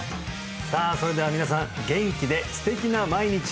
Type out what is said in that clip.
さあそれでは皆さん元気で素敵な毎日を！